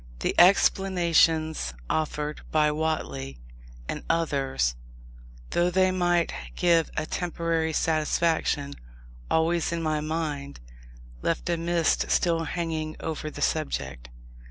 The explanations offered by Whately and others, though they might give a temporary satisfaction, always, in my mind, left a mist still hanging over the subject.